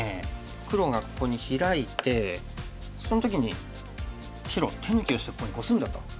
黒がここにヒラいてその時に白手抜きをしてここにコスんだと。